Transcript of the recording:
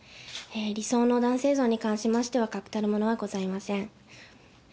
理想の男性像に関しましては、確たるものはございません。